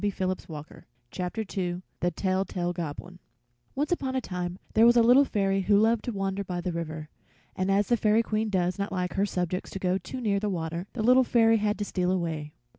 THE TELL TALE GOBLIN [Illustration: The Tell Tale Goblin] Once upon a time there was a Little Fairy who loved to wander by the river, and as the Fairy Queen does not like her subjects to go too near the water, the Little Fairy had to steal away.